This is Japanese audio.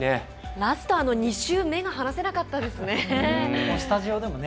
ラストの２周目が離せなかったですね。